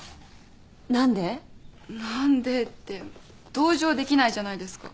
同情できないじゃないですか